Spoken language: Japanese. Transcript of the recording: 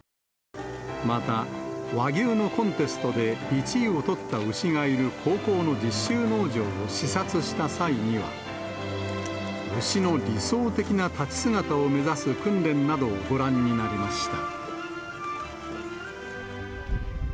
また、和牛のコンテストで１位をとった牛があるこうこうの実習農場を視察した際には、牛の理想的な立ち姿を目指す訓練などをご覧になりました。